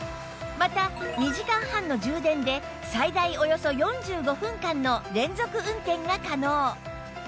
また２時間半の充電で最大およそ４５分間の連続運転が可能